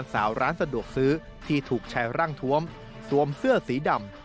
สาวร้านสะดวกซื้อที่ถูกชายร่างทวมสวมเสื้อสีดำ